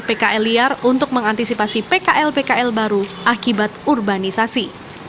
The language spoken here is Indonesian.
pkl liar untuk mengantisipasi pkl pkl baru akibat urbanisasi